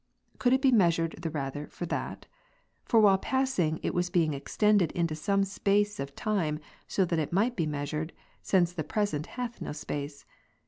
Could it be measured the rather, for that ? For while passing, it was being extended into some space of time, so that it might be measured, since the present hath no space.